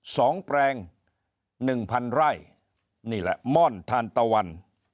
แปลงหนึ่งพันไร่นี่แหละม่อนทานตะวัน